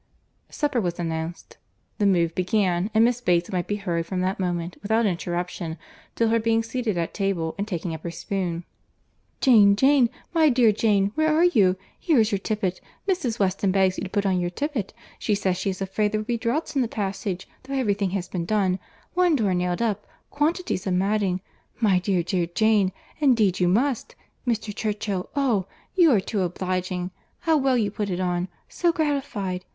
Supper was announced. The move began; and Miss Bates might be heard from that moment, without interruption, till her being seated at table and taking up her spoon. "Jane, Jane, my dear Jane, where are you?—Here is your tippet. Mrs. Weston begs you to put on your tippet. She says she is afraid there will be draughts in the passage, though every thing has been done—One door nailed up—Quantities of matting—My dear Jane, indeed you must. Mr. Churchill, oh! you are too obliging! How well you put it on!—so gratified!